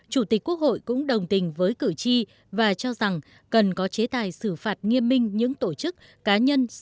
chủ tịch quốc hội cũng đồng tình với cử tri và cho rằng cần có chế tài xử phạt nghiêm minh những tổ chức cá nhân